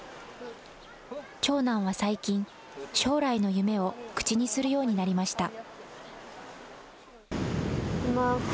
長男は最近、将来の夢を口にするようになりました。